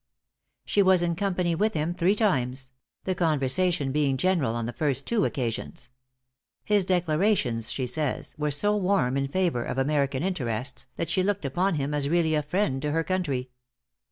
She was in company with him three times; the conversation being general on the first two occasions. His declarations, she says, were so warm in favor of American interests, that she looked upon him as really a friend to her country.